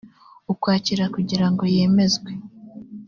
ukwakira kugira ngo yemezwe